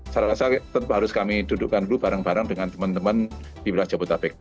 saya rasa harus kami dudukkan dulu bareng bareng dengan teman teman di wilayah jabodetabek